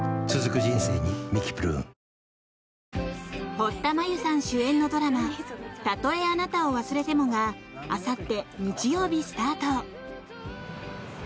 堀田真由さん主演のドラマ「たとえあなたを忘れても」があさって日曜日、スタート！